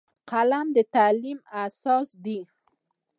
قلم د تعلیم اساس دی